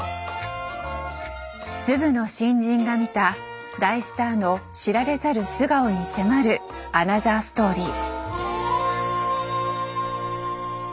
ズブの新人が見た大スターの知られざる素顔に迫るアナザーストーリー。